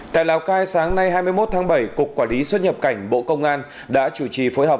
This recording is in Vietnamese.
tại lào cai sáng nay hai mươi một tháng bảy cục quản lý xuất nhập cảnh bộ công an đã chủ trì phối hợp